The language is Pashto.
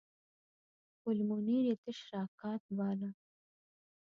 ګل منیر یې تش راکات باله.